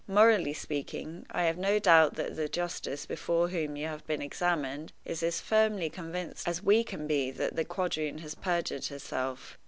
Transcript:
Morally speaking, I have no doubt that the justice before whom you have been examined is as firmly convinced as we can be that the quadroon has perjured herself.